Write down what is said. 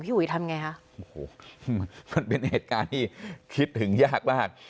อุ๋ยทำไงคะโอ้โหมันเป็นเหตุการณ์ที่คิดถึงยากมาก